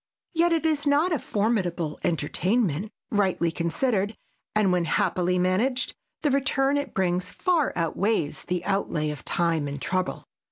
Yet it is not a formidable entertainment, rightly considered, and when happily managed the return it brings far outweighs the outlay of time and trouble.